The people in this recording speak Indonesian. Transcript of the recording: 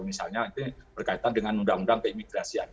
misalnya ini berkaitan dengan undang undang keimigrasian